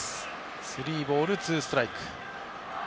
スリーボールツーストライク。